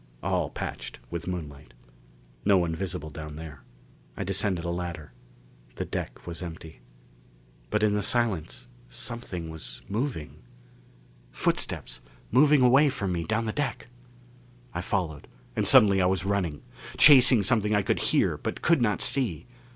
All patched with moonlight. No one visible down there. I descended a ladder. The deck was empty. But in the silence something was moving! Footsteps moving away from me down the deck! I followed; and suddenly I was running. Chasing something I could hear, but could not see.